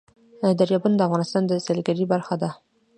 دریابونه د افغانستان د سیلګرۍ برخه ده.